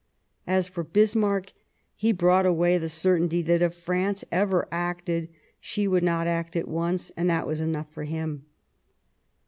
As for Bismarck, he brought away the certainty that if France ever acted, she would not act at once, and that was enough for him.